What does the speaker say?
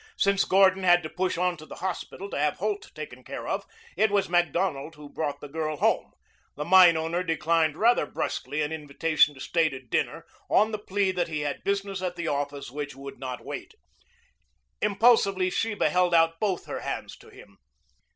Since Gordon had to push on to the hospital to have Holt taken care of, it was Macdonald who brought the girl home. The mine owner declined rather brusquely an invitation to stay to dinner on the plea that he had business at the office which would not wait. Impulsively Sheba held out both her hands to him.